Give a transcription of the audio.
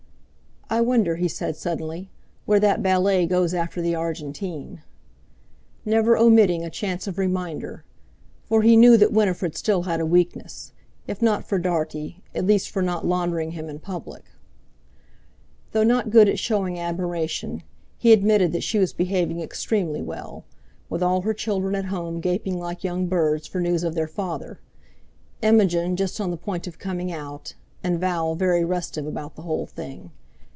"I wonder," he said suddenly, "where that ballet goes after the Argentine"; never omitting a chance of reminder; for he knew that Winifred still had a weakness, if not for Dartie, at least for not laundering him in public. Though not good at showing admiration, he admitted that she was behaving extremely well, with all her children at home gaping like young birds for news of their father—Imogen just on the point of coming out, and Val very restive about the whole thing.